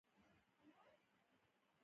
ایا زه باید ټایپینګ وکړم؟